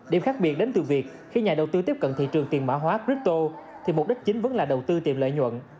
điểm khác biệt đến từ việc khi nhà đầu tư tiếp cận thị trường tiền mã hóa critto thì mục đích chính vẫn là đầu tư tìm lợi nhuận